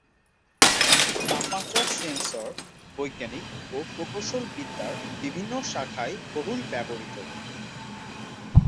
তাপমাত্রা সেন্সর বৈজ্ঞানিক ও প্রকৌশল বিদ্যার বিভিন্ন শাখায় বহুল ব্যবহৃত।